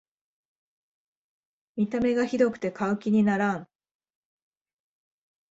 見た目がひどくて買う気にならん